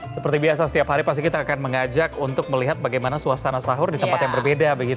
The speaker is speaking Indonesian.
seperti biasa setiap hari pasti kita akan mengajak untuk melihat bagaimana suasana sahur di tempat yang berbeda